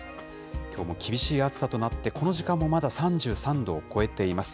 きょうも厳しい暑さとなって、この時間もまだ３３度を超えています。